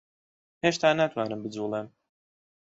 هێشتا ناتوانم بجووڵێم.